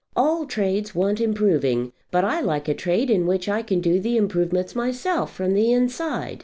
All trades want improving; but I like a trade in which I can do the improvements myself, from the inside.